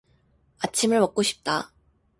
아침을 먹고 싶다.